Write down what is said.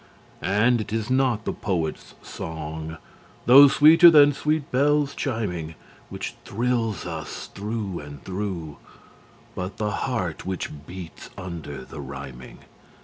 And it is not the poet's song, though sweeter than sweet bells chiming, Which thrills us through and through, but the heart which beats under the rhyming.